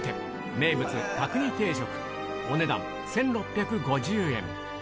名物、角煮定食、お値段、１６５０円。